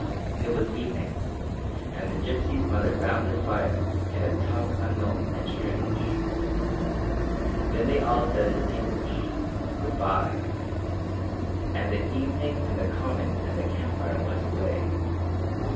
It was evening, and the gypsies muttered round their fire in a tongue unknown and strange. Then they all said in English, 'Goodbye'. And the evening and the common and the campfire went away.